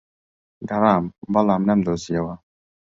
گەڕام، بەڵام نەمدۆزییەوە.